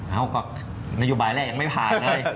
นโยบายแรกยังไม่ผ่านเลย